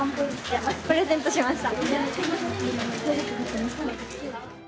プレゼントしました。